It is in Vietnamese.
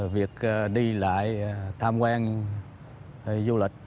việc đi lại tham quan du lịch